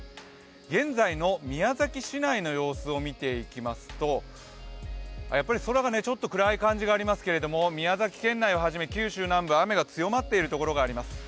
現在の宮崎市内の様子を見ていきますとやっぱり空が暗い感じがありますけれども、宮崎県内を初め九州南部は雨が強まっている所があります。